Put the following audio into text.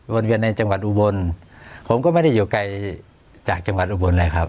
เวียนในจังหวัดอุบลผมก็ไม่ได้อยู่ไกลจากจังหวัดอุบลนะครับ